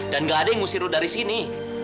dan gak ada yang ngusir lo dari sini